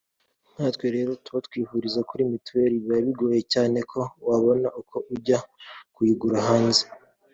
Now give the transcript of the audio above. nkatwe rero tuba twivuriza kuri Mutuel biba bigoye cyane ko wabona uko ujya kuyigura hanze